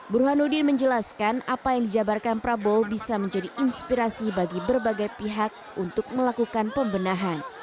burhanuddin menjelaskan apa yang dijabarkan prabowo bisa menjadi inspirasi bagi berbagai pihak untuk melakukan pembenahan